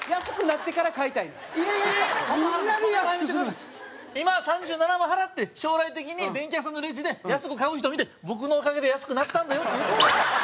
水田：今、３７万払って将来的に、電器屋さんのレジで安く買う人を見て僕のおかげで安くなったんだよって言ってください。